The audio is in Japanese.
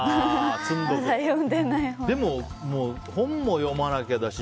でも、本も読まなきゃだし